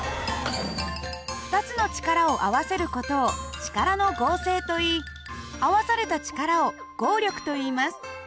２つの力を合わせる事を力の合成といい合わされた力を合力といいます。